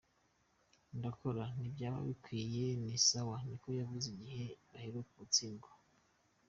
"Ndakora - ni vyaba bikwiye ni sawa," niko yavuze igihe baheruka gutsindwa.